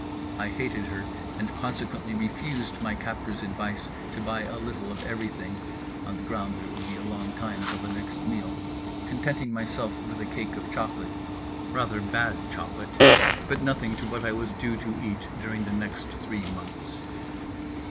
I hated her and consequently refused my captor's advice to buy a little of everything (on the ground that it would be a long time till the next meal), contenting myself with a cake of chocolate—rather bad chocolate, but nothing to what I was due to eat during the next three months.